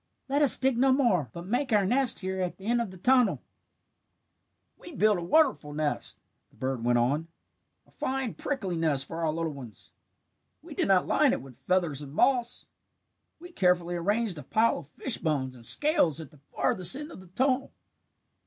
'Let us dig no more, but make our nest here at the end of the tunnel.' "We built a wonderful nest," the bird went on, "a fine prickly nest for our little ones. We did not line it with feathers and moss. We carefully arranged a pile of fish bones and scales at the farthest end of the tunnel.